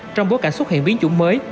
trong bối cảnh xuất hiện biến chủng mới